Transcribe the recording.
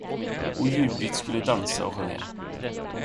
Och Judith skulle dansa och sjunga.